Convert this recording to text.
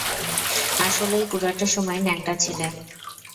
আসলেই পুরোটা সময় ন্যাংটা ছিলে?